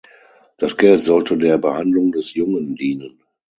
Das Geld sollte der Behandlung des Jungen dienen.